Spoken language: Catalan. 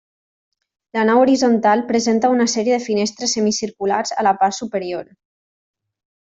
La nau horitzontal presenta una sèrie de finestres semicirculars a la part superior.